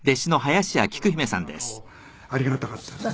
ありがたかったです。